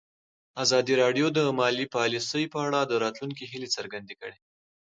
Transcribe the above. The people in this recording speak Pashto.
ازادي راډیو د مالي پالیسي په اړه د راتلونکي هیلې څرګندې کړې.